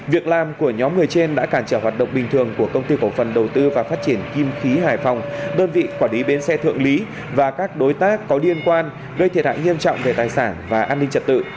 việc làm của nhóm người trên đã cản trở hoạt động bình thường của công ty cổ phần đầu tư và phát triển kim khí hải phòng đơn vị quản lý bến xe thượng lý và các đối tác có liên quan gây thiệt hại nghiêm trọng về tài sản và an ninh trật tự